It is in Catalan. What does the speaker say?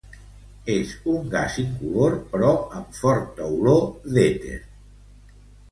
És un gas incolor però amb forta olor d'èter.